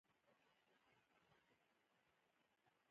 پولیسو شمېرې ته زنګ ووهه چې د هغوی شخړه غټیږي